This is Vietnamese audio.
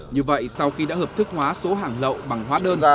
như vậy sau khi đã hợp thức hóa số hàng lậu bằng hóa đơn